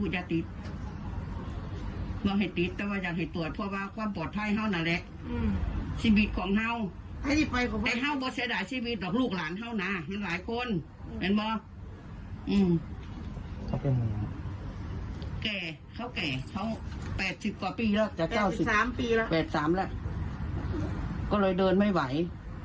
ใช่ใช่เอาไปตรวจเพราะว่าเราไม่มีความสามารถก็มีแต่เด็กกับผู้หญิงอย่างนี้คนนี้คนเดียว